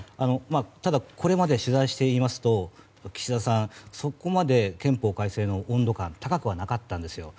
ただ、これまで取材していますと岸田さんはそこまで憲法改正の温度感高くはなかったんです。